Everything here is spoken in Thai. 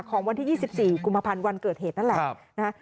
ของวันที่๒๔กุมภาพันธ์วันเกิดเหตุนั่นแหละนะฮะ